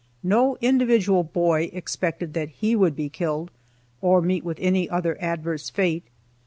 No individual boy expected that he would be killed, or meet with any other adverse fate.